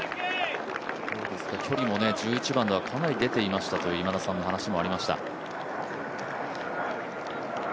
距離も１１番ではかなり出ていましたという今田さんの話でもありました。